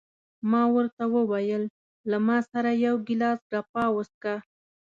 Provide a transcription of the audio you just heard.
ما ورته وویل: له ما سره یو ګیلاس ګراپا وڅښه.